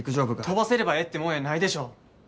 飛ばせればええってもんやないでしょ。